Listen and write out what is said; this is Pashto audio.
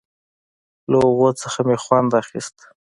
له هغو څخه مې خوند اخيست.